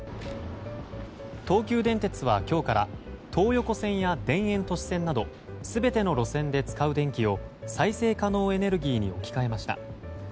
東急電鉄は今日から東横線や田園都市線など全ての路線で使う電気を再生可能エネルギーに置き換えました。